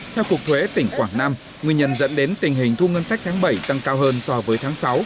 theo cục thuế tỉnh quảng nam nguyên nhân dẫn đến tình hình thu ngân sách tháng bảy tăng cao hơn so với tháng sáu